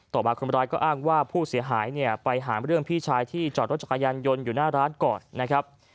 มาคนร้ายก็อ้างว่าผู้เสียหายเนี่ยไปหาเรื่องพี่ชายที่จอดรถจักรยานยนต์อยู่หน้าร้านก่อนนะครับ